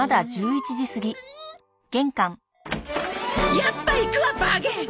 やっぱ行くわバーゲン！